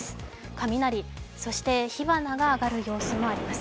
雷、そして火花が上がる様子もあります。